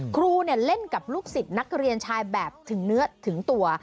ครูเล่นกับลูกศิษย์นักเรียนชายแบบถึงเนื้อถึงตัว